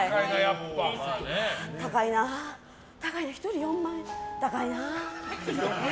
高いな高いな、１人４万円高いな、え？